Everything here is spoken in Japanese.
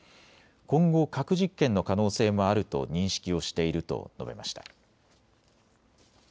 今後、核実験の可能性もあると認識をしていると述べました。